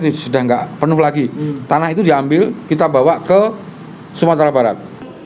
ini sudah tidak penuh lagi tanah itu diambil kita bawa ke sumatera barat